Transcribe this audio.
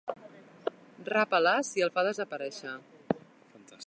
Rapa l'as i el fa desaparèixer.